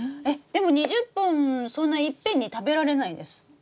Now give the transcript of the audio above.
でも２０本そんないっぺんに食べられないです。